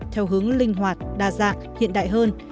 theo hướng linh hoạt đa dạng hiện đại hơn